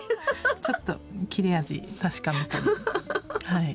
ちょっと切れ味確かめたりはい。